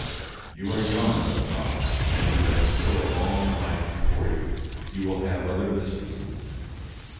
You are young, Octave, and you have still a long life before you; you will have other mistresses.